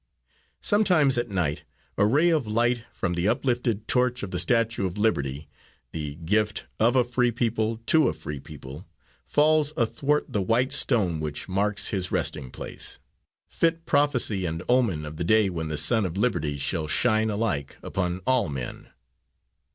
Sometimes, at night, a ray of light from the uplifted torch of the Statue of Liberty, the gift of a free people to a free people, falls athwart the white stone which marks his resting place fit prophecy and omen of the day when the sun of liberty shall shine alike upon all men.